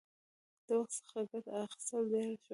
• د وخت څخه ګټه اخیستل ډېر شول.